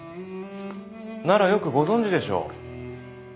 ならよくご存じでしょう。